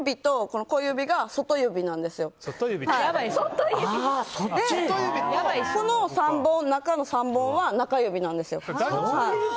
この中の３本は中指なんですよ。